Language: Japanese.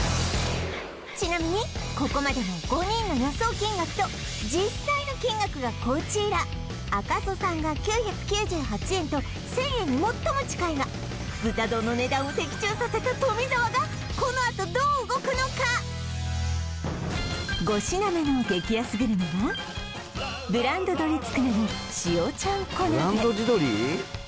ちなみにここまでの５人の予想金額と実際の金額がこちら赤楚さんが９９８円と１０００円に最も近いが豚丼の値段を的中させた富澤がこのあとどう動くのか５品目の激安グルメはブランド鶏つくねの塩ちゃんこ鍋ブランド地鶏？